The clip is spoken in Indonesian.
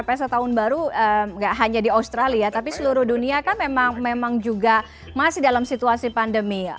pesta tahun baru nggak hanya di australia tapi seluruh dunia kan memang juga masih dalam situasi pandemi